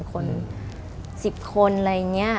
คน๑๐คนอะไรอย่างนี้